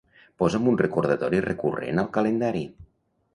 Posa'm un recordatori recurrent al calendari.